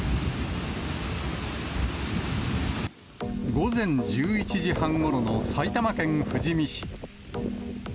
午前１１時半ごろの埼玉県富士見市。